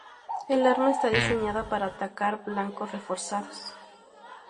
El arma está diseñada para atacar blancos reforzados.